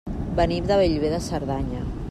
Venim de Bellver de Cerdanya.